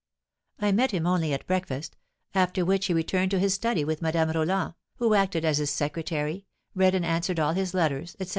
I met him only at breakfast, after which he returned to his study with Madame Roland, who acted as his secretary, read and answered all his letters, etc.